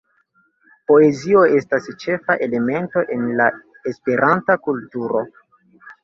Poezio estas ĉefa elemento en la Esperanta kulturo.